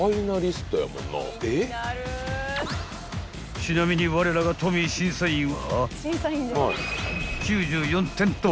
［ちなみにわれらがトミー審査員は］